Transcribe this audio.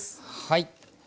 はい。